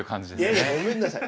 いやいやごめんなさい！